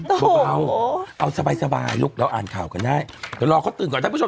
เบาเอาสบายสบายลูกเราอ่านข่าวกันได้เดี๋ยวรอเขาตื่นก่อนท่านผู้ชม